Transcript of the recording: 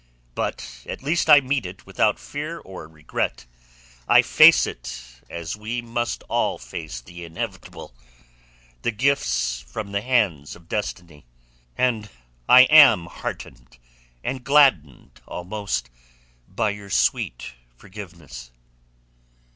But at least I meet it without fear or regret. I face it as we must all face the inevitable—the gifts from the hands of destiny. And I am heartened—gladdened almost—by your sweet forgiveness."